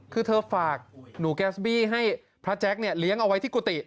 คือเธอฝากหนูแก๊สบี้ให้พระแจ๊คเนี่ยเลี้ยงเอาไว้ที่กุฏิ